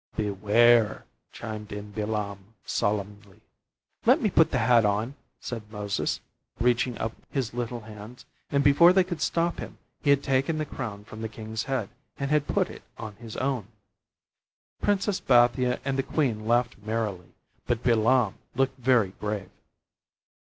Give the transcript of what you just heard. "Beware," chimed in Bilam, solemnly. "Let me put the hat on," said Moses, reaching up his little hands, and before they could stop him, he had taken the crown from the king's head and had put it on his own. Princess Bathia and the queen laughed merrily, but Bilam looked very grave.